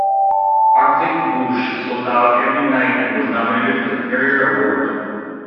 "Arctic Boosh" sold out every night and was nominated for the Perrier Award.